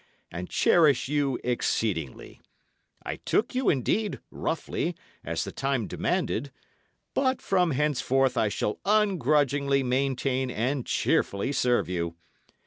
and cherish you exceedingly. I took you, indeed, roughly, as the time demanded; but from henceforth I shall ungrudgingly maintain and cheerfully serve you.